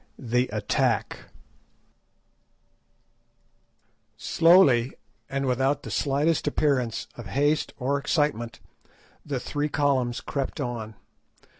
THE ATTACK Slowly, and without the slightest appearance of haste or excitement, the three columns crept on.